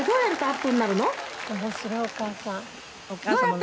面白いお母さん。